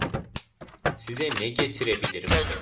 Size ne getirebilirim?